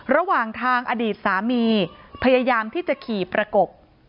ระหว่างทางอดีตสามีพยายามที่จะขี่ประกบ